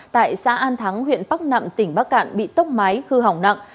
tại xã an thắng huyện bắc nạm tỉnh bắc cạn bị tốc mái hư hỏng nặng